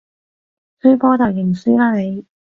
輸波就認輸啦你